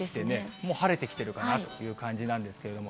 もう晴れてきてるかなという感じなんですけれども。